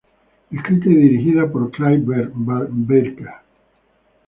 Escrita y dirigida por Clive Barker.